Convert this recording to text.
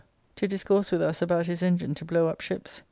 ] to discourse with us about his engine to blow up ships.